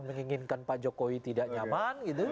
menginginkan pak jokowi tidak nyaman